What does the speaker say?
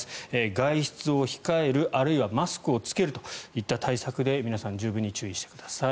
外出を控える、あるいはマスクを着けるといった対策で皆さん十分に注意してください。